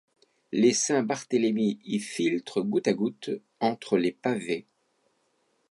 Les Saint-Barthélemy y filtrent goutte à goutte entre les pavés.